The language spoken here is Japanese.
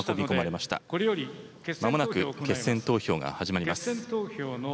まもなく決選投票が始まります。